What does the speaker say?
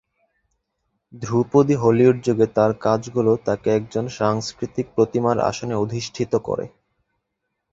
ধ্রুপদী হলিউড যুগে তার কাজগুলো তাকে একজন সাংস্কৃতিক প্রতিমার আসনে অধিষ্ঠিত করে।